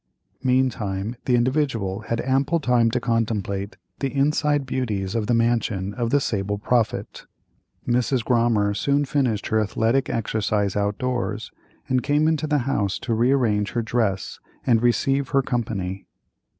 Meantime the Individual had ample time to contemplate the inside beauties of the mansion of the sable prophet. Mrs. Grommer soon finished her athletic exercise out doors, and came into the house to rearrange her dress and receive her company.